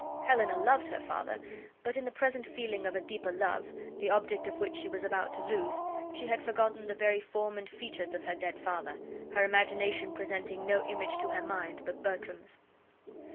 Helena loved her father, but in the present feeling of a deeper love, the object of which she was about to lose, she had forgotten the very form and features of her dead father, her imagination presenting no image to her mind but Bertram's.